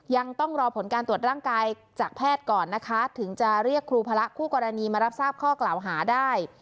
ยังต้องรอผลการตรวจร่างกายจากแพทย์ก่อนนะคะถึงจะเรียกครูพระคู่กรณีมารับทราบข้อกล่าวหาได้